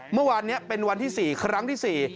เมื่อวานนี้เป็นวันที่๔ครั้งที่๔